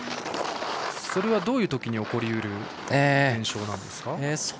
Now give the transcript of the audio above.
それはどういうときに起こり得る現象なんですか？